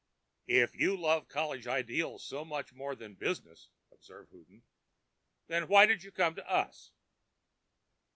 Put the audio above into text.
"If you loved college ideals so much more than business," observed Houghton, "then why did you come to us?"